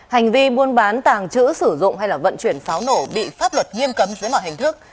hành vi buôn bán tàng trữ sử dụng hay vận chuyển pháo nổ bị pháp luật nghiêm cấm dưới mọi hình thức